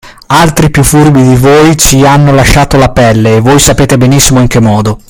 Altri piú furbi di voi ci hanno lasciato la pelle e voi sapete benissimo in che modo.